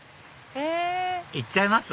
行っちゃいます？